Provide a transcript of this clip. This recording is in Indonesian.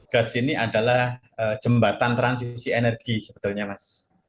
gas ini adalah jembatan transisi energi sebetulnya mas